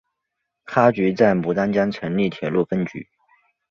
哈局在牡丹江成立铁路分局。